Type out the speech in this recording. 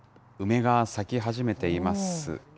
梅が咲き始めています。